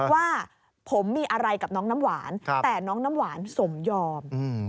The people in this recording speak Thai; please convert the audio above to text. ว่าผมมีอะไรกับน้องน้ำหวานแต่น้องน้ำหวานสมยอม